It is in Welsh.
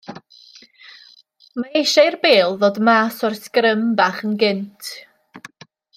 Mae eisiau i'r bêl ddod mas o'r sgrym bach yn gynt.